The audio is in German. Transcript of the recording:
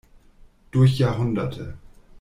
Durch Jahrhunderte.